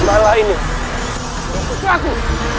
berbala ini aku